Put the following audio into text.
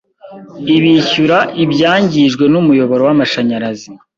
ibishyura ibyangijwe n'umuyoboro w'amashanyarazi